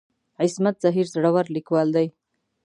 عصمت زهیر زړور ليکوال دی.